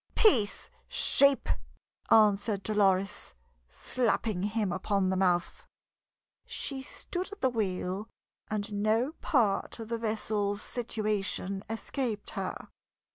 "Peace, sheep!" answered Dolores, slapping him upon the mouth. She stood at the wheel, and no part of the vessel's situation escaped her.